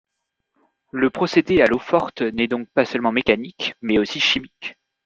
Le procédé à l'eau-forte n’est donc pas seulement mécanique, mais aussi chimique.